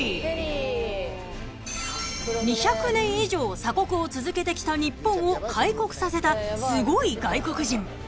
［２００年以上鎖国を続けてきた日本を開国させたスゴい外国人］